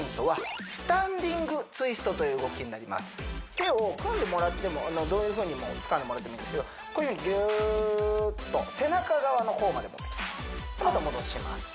手を組んでもらってもどういうふうにもつかんでもらってもいいんですけどこういうふうにぎゅーっと背中側の方まで持っていきますでまた戻します